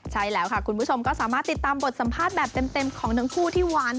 ใช่แล้วค่ะคุณผู้ชมก็สามารถติดตามบทสัมภาษณ์แบบเต็มของทั้งคู่ที่หวาน